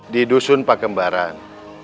di dusun pakembaran